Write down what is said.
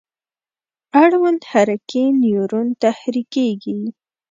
اړوند حرکي نیورون تحریکیږي.